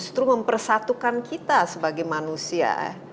justru mempersatukan kita sebagai manusia